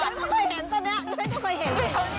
รู้สึกไม่เหลนี้ฉันก็เคยเห็น